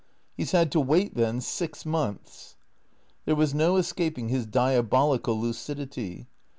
""" He 's had to wait, then, six months ?" There was no escaping his diabolical lucidity.